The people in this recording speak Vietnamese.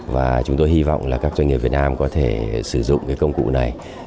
và chúng tôi hy vọng là các doanh nghiệp việt nam có thể sử dụng cái công cụ này